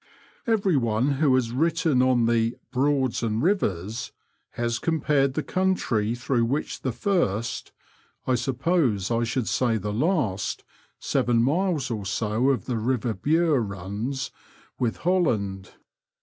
Every one who has written on the Broads and Eivers " has compared the country through which the first — I suppose I should say the last — seven miles or so of the river Bure runs, with Holland.